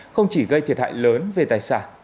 không chỉ gây thiệt hại nhưng cũng gây rất nhiều vụ cháy